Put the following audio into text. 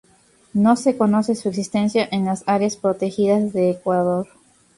No se conoce su existencia en las áreas protegidas de Ecuador.